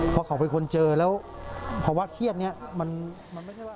พอเขาเป็นคนเจอแล้วเพราะว่าเครียดนี้มันไม่ใช่ว่า